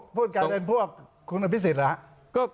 ผมพูดการเรียนพวกคุณพิสิทธิ์เหรอฮะ